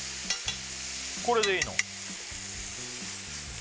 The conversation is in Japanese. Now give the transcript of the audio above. これでいいの？